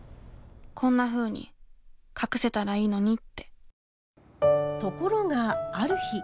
こんなふうに隠せたらいいのにってところがある日。